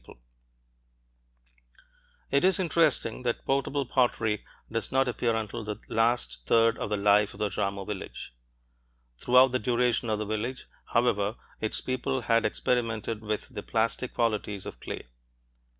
_ REED MATTING BONE ARCHITECTURE] It is interesting that portable pottery does not appear until the last third of the life of the Jarmo village. Throughout the duration of the village, however, its people had experimented with the plastic qualities of clay.